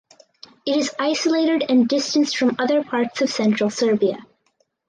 It is isolated and distanced from other parts of Central Serbia.